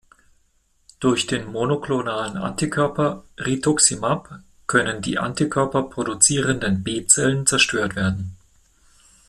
Durch den monoklonalen Antikörper Rituximab können die Antikörper-produzierenden B-Zellen zerstört werden.